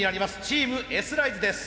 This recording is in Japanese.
チームＳライズです。